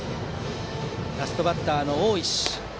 ラストバッターの大石。